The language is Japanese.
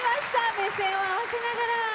目線を合わせながら。